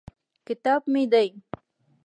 کتاب مې دی.